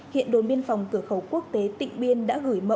hiện đồn biên phòng cửa khẩu quốc tế tịnh biên đã gửi mẫu